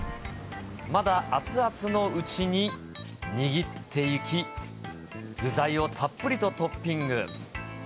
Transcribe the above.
まだ熱々のうちに握っていき、具材をたっぷりとトッピング。